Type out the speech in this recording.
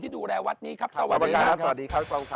ได้ดีดีดี